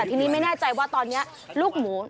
ติดตามทางราวของความน่ารักกันหน่อย